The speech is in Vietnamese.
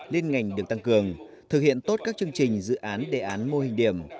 liên ngành được tăng cường thực hiện tốt các chương trình dự án đề án mô hình điểm